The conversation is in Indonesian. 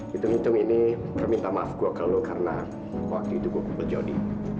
hitung hitung ini perminta maaf gua ke lo karena waktu itu gua kumpul jody